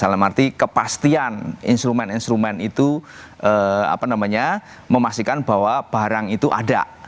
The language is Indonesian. dalam arti kepastian instrumen instrumen itu memastikan bahwa barang itu ada